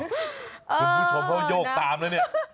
คุณผู้ชมเขาโยกตามแล้วเนี่ย